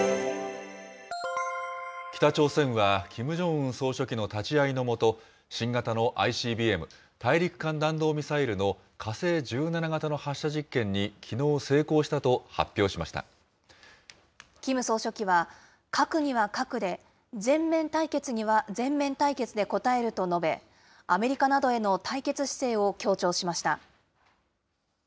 北朝鮮は、キム・ジョンウン総書記の立ち会いの下、新型のＩＣＢＭ・大陸間弾道ミサイルの火星１７型の発射実験に、キム総書記は、核には核で、全面対決には全面対決で応えると述べ、アメリカなどへの対決姿勢を強調しました。